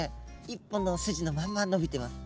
一本の筋のまんまのびてます。